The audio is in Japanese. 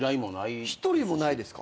一人もないですか？